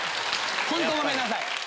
ホントごめんなさい。